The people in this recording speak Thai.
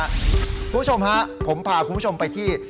คุณผู้ชมฮะผมพาคุณผู้ชมไปที่